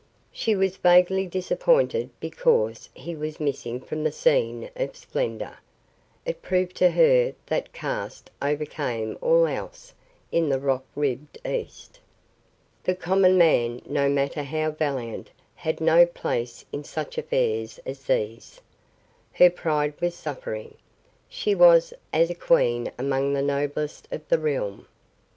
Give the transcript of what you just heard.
She was vaguely disappointed because he was missing from the scene of splendor. It proved to her that caste overcame all else In the rock ribbed east. The common man, no matter how valiant, had no place in such affairs as these. Her pride was suffering. She was as a queen among the noblest of the realm.